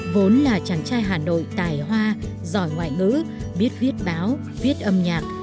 vốn là chàng trai hà nội tài hoa giỏi ngoại ngữ biết viết báo viết âm nhạc